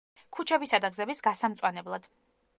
ქუჩებისა და გზების გასამწვანებლად.